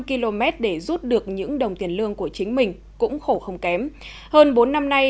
km để rút được những đồng tiền lương của chính mình cũng khổ không kém hơn bốn năm nay